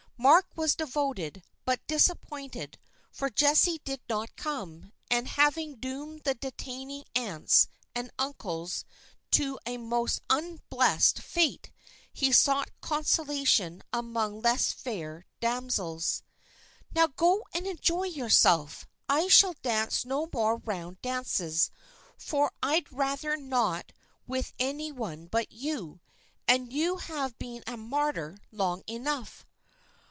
Mark was devoted, but disappointed, for Jessie did not come, and having doomed the detaining aunts and uncles to a most unblessed fate, he sought consolation among less fair damsels. "Now go and enjoy yourself. I shall dance no more round dances, for I'd rather not with any one but you, and you have been a martyr long enough."